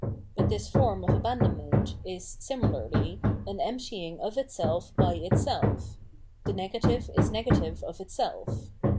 But this form of abandonment is, similarly, an emptying of itself by itself.; the negative is negative of itself.